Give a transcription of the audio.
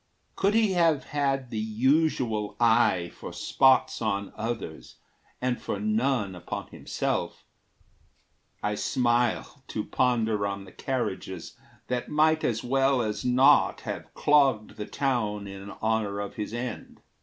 Could he have had the usual eye for spots On others, and for none upon himself, I smile to ponder on the carriages That might as well as not have clogged the town In honor of his end.